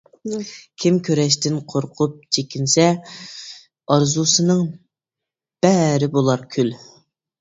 كىم كۈرەشتىن قورقۇپ چېكىنسە، ئارزۇسىنىڭ بەرى بولار كۈل.